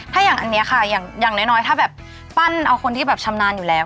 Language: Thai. ถ้าอย่างอันนี้ค่ะอย่างน้อยถ้าแบบปั้นเอาคนที่แบบชำนาญอยู่แล้ว